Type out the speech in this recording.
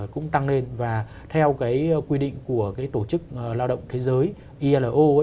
cũng tăng lên và theo cái quy định của cái tổ chức lao động thế giới ilo